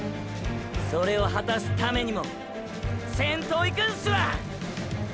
それを果たすためにも先頭いくんすわ！！